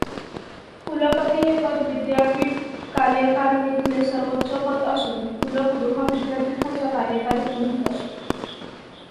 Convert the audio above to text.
कुलपती हे पद विद्दयापीठ कार्यकारिणीतले सर्वोच्च पद असून कुलगुरू हा विद्यापीठाचा कार्यकारी प्रमुख असतो.